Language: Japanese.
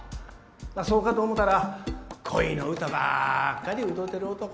そうかと思たら恋の歌ばっかり歌てる男。